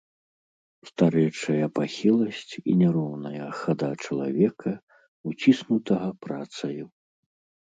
Старэчая пахіласць і няроўная хада чалавека, уціснутага працаю.